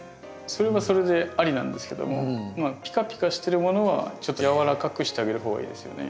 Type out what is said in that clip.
それはそれでありなんですけどもまあピカピカしてるものはちょっとやわらかくしてあげる方がいいですよね。